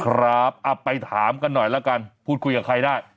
ครับไปถามกันหน่อยแล้วกันพูดคุยกับใครได้